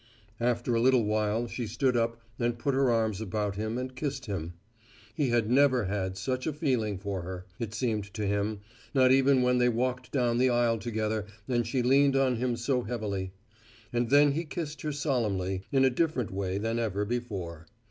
After a little while she stood up and put her arms about him and kissed him. He had never had such a feeling for her, it seemed to him, not even when they walked down the aisle together and she leaned on him so heavily. And then he kissed her solemnly, in a different way than ever before.